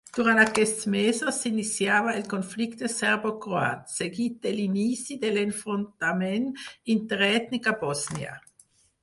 Durant aquests mesos s'iniciava el conflicte serbocroat, seguit de l'inici de l'enfrontament interètnic a Bòsnia.